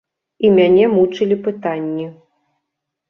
І мяне мучылі пытанні.